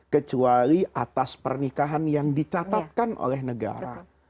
kecuali atas pernikahan yang dicatatkan oleh negara